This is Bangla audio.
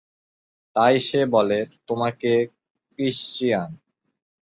তাই সে বলে -"তোমাকে, ক্রিশ্চিয়ান।"